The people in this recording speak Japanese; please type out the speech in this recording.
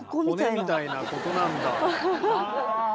骨みたいなここなんだ。